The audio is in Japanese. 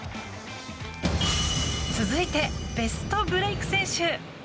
続いて、ベストブレイク選手。